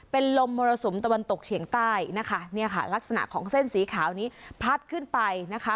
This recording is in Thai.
เป็นลมมรสุมตะวันตกเฉียงใต้นะคะเนี่ยค่ะลักษณะของเส้นสีขาวนี้พัดขึ้นไปนะคะ